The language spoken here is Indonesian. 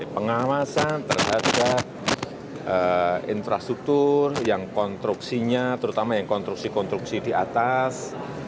pengawasan terhadap infrastruktur yang konstruksinya terutama yang konstruksi konstruksi di atas